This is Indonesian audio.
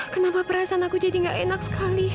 kenapa perasaan aku jadi gak enak sekali